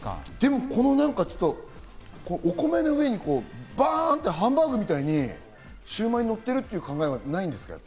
お米の上にバンってハンバーグみたいにシウマイがのってるっていう考えはないんですか？